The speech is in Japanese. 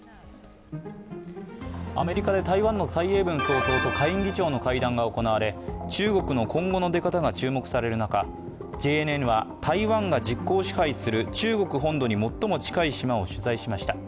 アメリカで台湾の蔡英文総統と下院議長の会談が行われ、中国の今後の出方が注目される中、ＪＮＮは台湾が実効支配する中国本土に最も近い島を取材しました。